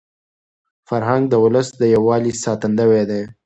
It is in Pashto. فرهنګ د ولس د یووالي ساتندوی دی.